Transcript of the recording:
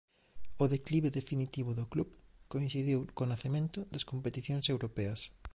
O declive definitivo do club coincidiu co nacemento das competicións europeas.